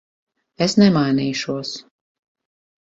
Es nemainīšos.